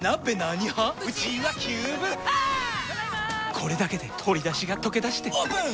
これだけで鶏だしがとけだしてオープン！